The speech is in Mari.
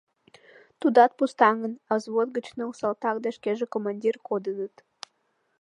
Тудат пустаҥын, а взвод гыч ныл салтак да шкеже, командир, кодыныт.